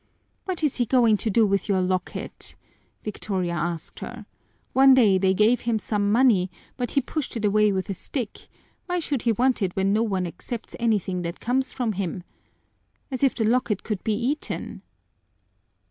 "What is he going to do with your locket?" Victoria asked her. "One day they gave him some money, but he pushed it away with a stick; why should he want it when no one accepts anything that comes from him? As if the locket could be eaten!"